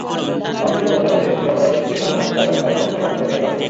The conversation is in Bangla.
এমনকি তদন্তকাজে প্রতিবন্ধকতা সৃষ্টির জন্য সরকারের কাছে অন্যের মাধ্যমে ই-মেইল পাঠিয়েছেন।